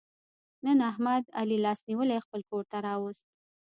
نن احمد علي لاس نیولی خپل کورته را وست.